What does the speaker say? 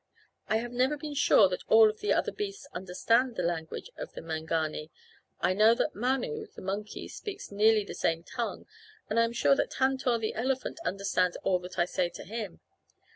I have never been sure that all of the other beasts understand the language of the Mangani. I know that Manu, the monkey, speaks nearly the same tongue and I am sure that Tantor, the elephant, understands all that I say to him.